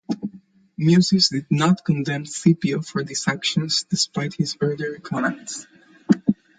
Mucius did not condemn Scipio for these actions despite his earlier comments.